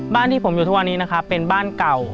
ที่ผมอยู่ทุกวันนี้นะครับเป็นบ้านเก่า